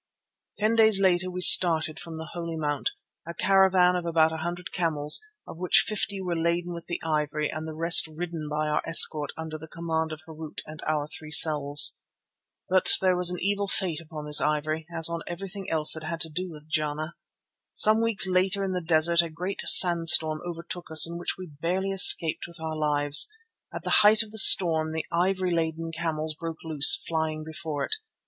Ten days later we started from the Holy Mount, a caravan of about a hundred camels, of which fifty were laden with the ivory and the rest ridden by our escort under the command of Harût and our three selves. But there was an evil fate upon this ivory, as on everything else that had to do with Jana. Some weeks later in the desert a great sandstorm overtook us in which we barely escaped with our lives. At the height of the storm the ivory laden camels broke loose, flying before it.